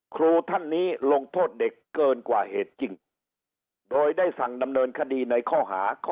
ครูท่านนี้ลงโทษเด็กเกินกว่าเหตุจริงโดยได้สั่งดำเนินคดีในข้อหาข้อ